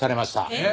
えっ？